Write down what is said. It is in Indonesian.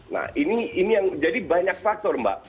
nah ini yang jadi banyak faktor mbak